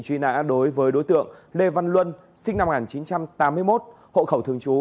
truy nã đối với đối tượng lê văn luân sinh năm một nghìn chín trăm tám mươi một hộ khẩu thường trú